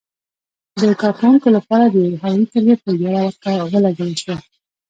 د کارکوونکو لپاره د یوې هوايي کرښې په اجاره ولګول شوه.